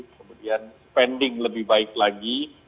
kemudian spending lebih baik lagi